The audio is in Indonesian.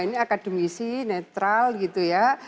ini akademisi netral gitu ya